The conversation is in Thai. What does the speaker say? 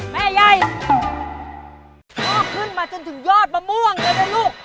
แม่ยายชอบขึ้นมาจนถึงยอดมะม่วงเลยนะลูก